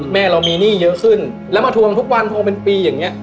แม่เรามีหนี้เยอะขึ้นแล้วมาทวงทุกวันทวงเป็นปีอย่างนี้